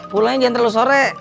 pulangnya jangan terlalu sore